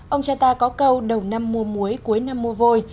ông cha ta có câu đầu năm mua muối cuối năm mua vôi